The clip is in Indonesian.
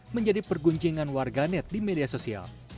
menjadi pergunjingan warga net di media sosial